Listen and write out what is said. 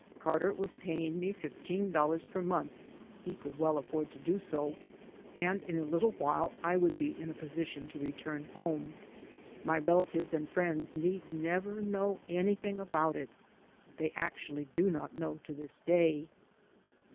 Carter was paying me $15 per month (he could well afford to do so), and in a little while I would be in a position to return home. My rela tives and friends need never know anything about it. They actually do not know to this day.